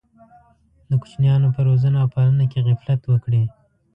د کوچنیانو په روزنه او پالنه کې غفلت وکړي.